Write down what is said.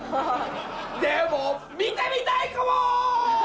でも見てみたいかもー！